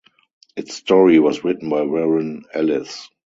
Its story was written by Warren Ellis.